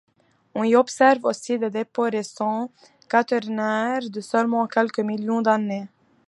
On y observe aussi des dépôts récents quaternaires de seulement quelques millions d'années.